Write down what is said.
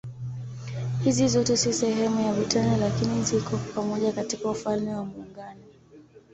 Hizi zote si sehemu ya Britania lakini ziko pamoja katika Ufalme wa Muungano.